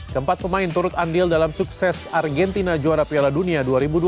keempat pemain turut andil dalam sukses argentina juara piala dunia dua ribu dua puluh